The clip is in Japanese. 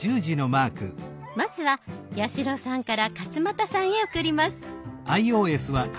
まずは八代さんから勝俣さんへ送ります。